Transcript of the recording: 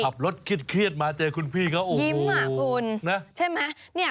ขับรถคิดมาเจอคุณพี่เขาโอ้โหยิ้มอ่ะคุณใช่ไหม